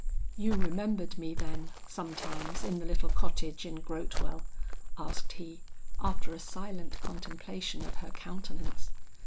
"You remembered me, then, sometimes in the little cottage in Grotewell?" asked he, after a silent contemplation of her countenance.